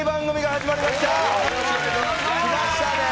来ましたね。